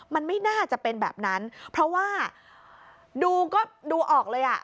มันไม่น่าจะเป็นแบบนั้นเพราะว่าดูก็ดูออกเลยอ่ะ